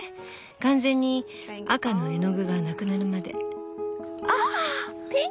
完全に赤の絵の具がなくなるまで。